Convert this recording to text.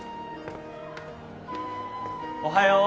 おはよう。